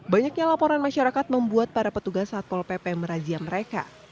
banyaknya laporan masyarakat membuat para petugas satpol pp merazia mereka